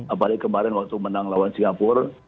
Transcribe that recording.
apalagi kemarin waktu menang lawan singapura